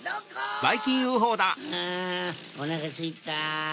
あおなかすいた。